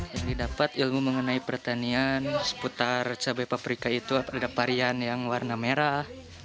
yang didapat ilmu mengenai pertanian seputar cabai paprika itu ada varian yang warna merah